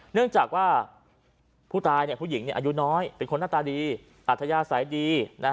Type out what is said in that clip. เนื่องจากว่าผู้ตายผู้หญิงอายุน้อยเป็นคนหน้าตาดีอัธยาศัยดี